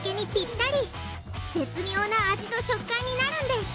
絶妙な味と食感になるんです！